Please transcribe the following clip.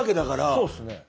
そうっすね。